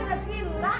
dia bisa bu